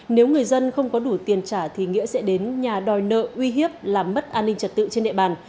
nếu người dân không có đủ tiền trả thì nghĩa sẽ đến nhà đòi nợ uy hiếp làm mất an ninh trật tự trên địa bàn